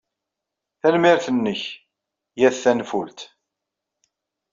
Tanemmirt nnek, yat tanfult